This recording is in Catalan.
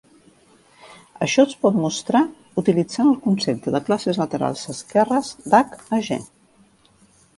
Això es pot mostrar utilitzant el concepte de classes laterals esquerres d'"H" a "G".